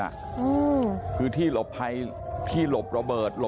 พวกมันกลับมาเมื่อเวลาที่สุดพวกมันกลับมาเมื่อเวลาที่สุด